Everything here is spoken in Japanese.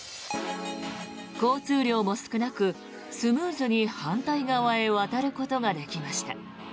交通量も少なく、スムーズに反対側へ渡ることができました。